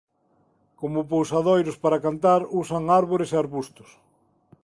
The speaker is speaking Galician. Como pousadeiros para cantar usan árbores e arbustos.